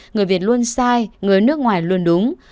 người việt luôn sai người nước ngoài luôn đúng